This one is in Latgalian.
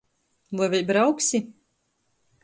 Voi vēļ brauksi?